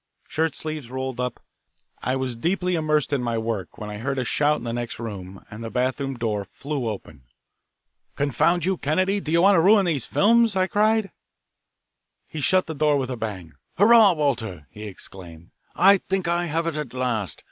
Shirt sleeves rolled up, I was deeply immersed in my work when I heard a shout in the next room, and the bathroom door flew open. "Confound you, Kennedy, do you want to ruin these films!" I cried. He shut the door with a bang. "Hurrah, Walter!" he exclaimed. "I think I have it, at last.